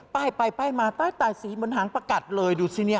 ไปมาตายสีบนหางประกัดเลยดูสินี่